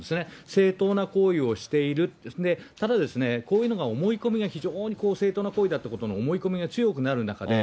正当な行為をしているって、ただですね、こういうのが思い込みが、非常に正当な行為だという思い込みが強くなる中で、